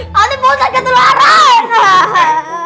nanti busan ketularan